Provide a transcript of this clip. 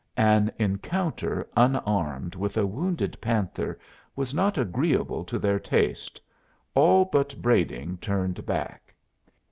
An encounter, unarmed, with a wounded panther was not agreeable to their taste; all but Brading turned back.